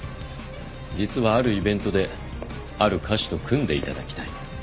実はあるイベントである歌手と組んでいただきたい。